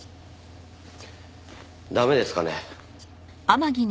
駄目ですかね？